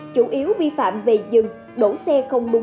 chủ yếu vi phạm về dừng đổ xe không đúng